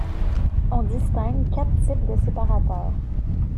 On distingue quatre types de séparateurs.